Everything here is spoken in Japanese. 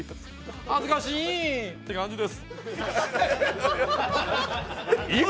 恥ずかしぃん、って感じです。